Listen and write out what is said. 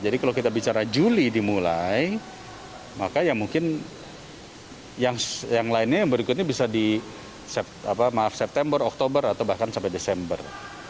jadi kalau kita bicara juli dimulai maka yang mungkin yang lainnya yang berikutnya bisa di maaf september oktober atau bahkan sampai desember